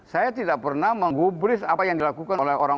saya tidak pernah menggubris apa yang dilakukan oleh orang